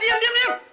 diam diam diam